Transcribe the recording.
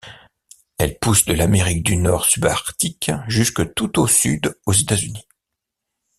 Elle pousse de l'Amérique du Nord subarctique jusque tout au sud aux États-Unis.